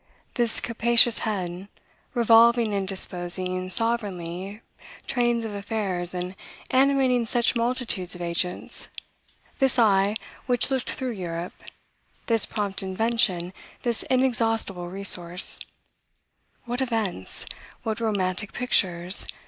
This capacious head, revolving and disposing sovereignly trains of affairs, and animating such multitudes of agents; this eye, which looked through Europe; this prompt invention; this inexhaustible resource; what events! what romantic pictures!